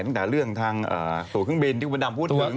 ตั้งแต่เรื่องทางตัวเครื่องบินที่คุณดำพูดถึง